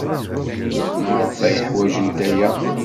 Maɣef ay ḥwajent aya?